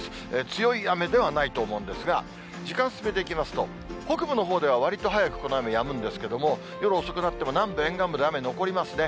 強い雨ではないと思うんですが、時間進めていきますと、北部のほうではわりと早くこの雨やむんですけれども、夜遅くなっても南部、沿岸部で雨残りますね。